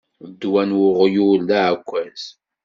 Ddwa n uɣyul d aɛekkaz.